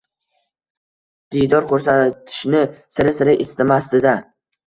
diydor ko‘rsatishni sira-sira istamasdi-da.